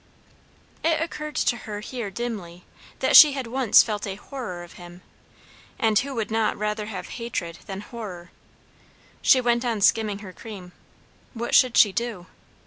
It occurred to her here dimly that she had once felt a horror of him; and who would not rather have hatred than horror? She went on skimming her cream. What should she do?